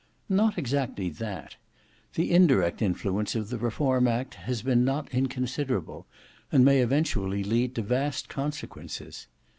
Not exactly that. The indirect influence of the Reform Act has been not inconsiderable, and may eventually lead to vast consequences.